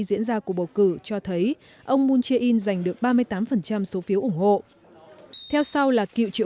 diễn ra cuộc bầu cử cho thấy ông moon jae in giành được ba mươi tám số phiếu ủng hộ theo sau là cựu triệu